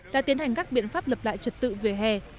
đã tiến hành các biện pháp lập lại trật tự về hè